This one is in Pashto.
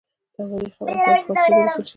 تواریخ او اسناد په فارسي ژبه لیکل شوي.